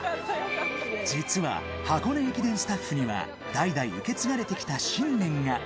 実は箱根駅伝スタッフには代々受け継がれてきた信念が。